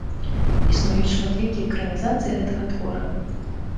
Існуюць шматлікія экранізацыі гэтага твора.